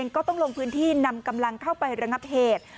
ก็ต้องลงพื้นที่นำกำลังเข้าไประงับเหตุ